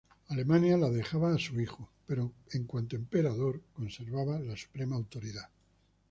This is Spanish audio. Alemania la dejaba a su hijo, pero, en cuanto emperador, conservaba la suprema autoridad.